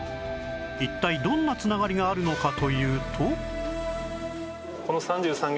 一体どんな繋がりがあるのかというと